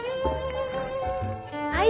はい。